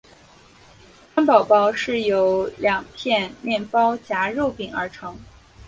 汉堡包是由两片面包夹肉饼而成。